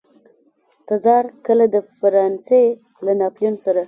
تزار کله د فرانسې له ناپلیون سره.